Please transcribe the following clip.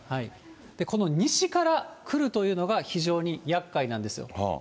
この西から来るというのが、非常にやっかいなんですよ。